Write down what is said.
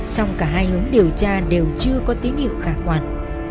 song cả hai hướng điều tra đều chưa có tín hiệu khả quan